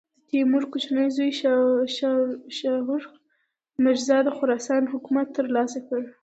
د تیمور کوچني زوی شاهرخ مرزا د خراسان حکومت تر لاسه کړ.